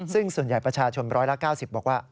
ซึ่งส่วนใหญ่ประชาชนร้อยละ๙๐บอกว่า